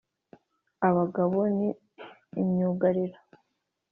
Abagabo ni imyugariro